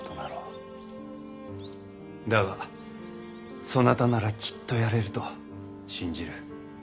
だがそなたならきっとやれると信じる。